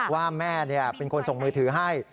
ว่าแม่เป็นคนส่งมือถือให้